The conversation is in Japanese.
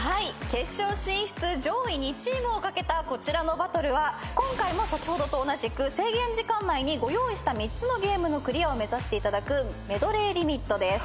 決勝進出上位２チームを懸けたこちらのバトルは今回も先ほどと同じく制限時間内にご用意した３つのゲームのクリアを目指していただくメドレーリミットです。